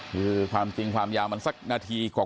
คือความจริงความยาวมันสักนาทีกว่า